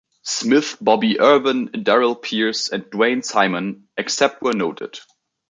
Smith, Bobby Ervin, Darryl Pierce and Dwayne Simon, except where noted.